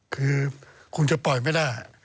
คือคงจะปล่อยไม่ได้